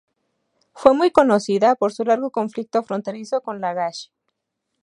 Fue muy conocida por su largo conflicto fronterizo con Lagash.